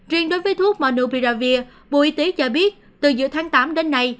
riêng đối với thuốc monopiravir bộ y tế cho biết từ giữa tháng tám đến nay